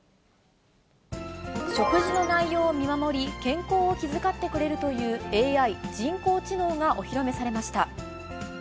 食事の内容を見守り、健康を気遣ってくれるというＡＩ・人工知能がお披露目されました。